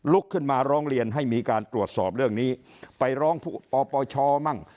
ลุกขึ้นมาร้องเรียนให้มีการตรวจสอบเรื่องนี้ไปร้องผู้ปปชมั่ง